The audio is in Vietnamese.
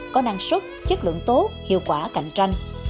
có năng suất chất lượng tốt hiệu quả cạnh tranh